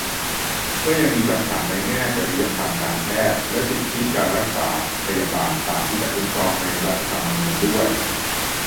ก็ยังมีคำถามในแง่จริยธรรมการแพทย์ และสิทธิรักษาพยาบาลตามที่ได้คุ้มครองในรัฐธรรมนูญด้วย